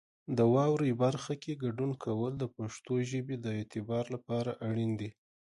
د واورئ برخه کې ګډون کول د پښتو ژبې د اعتبار لپاره اړین دي.